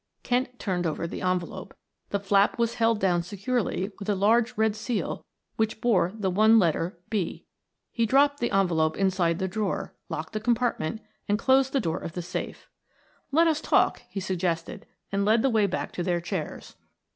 Kent turned over the envelope the flap was held down securely with a large red seal which bore the one letter "B." He dropped the envelope inside the drawer, locked the compartment, and closed the door of the safe. "Let us talk," he suggested and led the way back to their chairs.